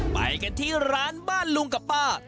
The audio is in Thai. ไปกันที่ร้านบ้านลุงกับป้า